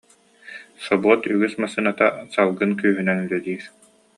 Собуот үгүс массыыната салгын күүһүнэн үлэлиир